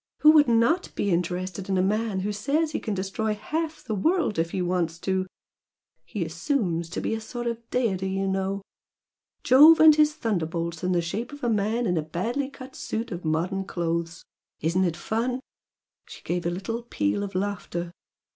Who would not be interested in a man who says he can destroy half the world if he wants to! He assumes to be a sort of deity, you know! Jove and his thunderbolts in the shape of a man in a badly cut suit of modern clothes! Isn't it fun!" She gave a little peal of laughter.